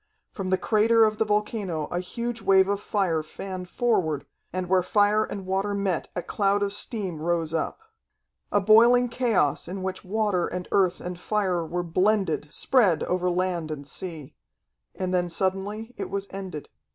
From the crater of the volcano a huge wave of fire fanned forward, and where fire and water met a cloud of steam rose up. A boiling chaos in which water and earth and fire were blended, spread over land and sea. And then suddenly it was ended.